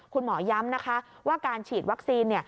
คุณหมอย้ำนะคะว่าการฉีดวัคซีน